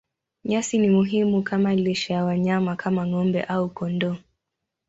Nyasi ni muhimu kama lishe ya wanyama kama ng'ombe au kondoo.